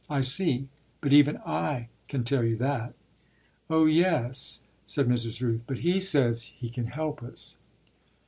"I see, but even I can tell you that." "Oh yes," said Mrs. Rooth; "but he says he can help us."